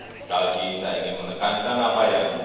sekali lagi saya ingin menekankan apa yang